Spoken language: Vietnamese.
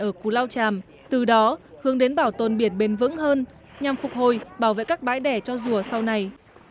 ở cù lao tràm từ đó hướng đến bảo tồn biển bền vững hơn nhằm phục hồi bảo vệ các bãi đẻ cho rùa sau này